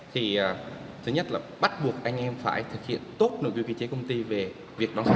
thì thứ nhất là bắt buộc anh em phải thực hiện tốt nội dung quy chế công ty về việc đón xe